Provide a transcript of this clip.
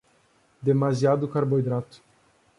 Demasiado carboidrato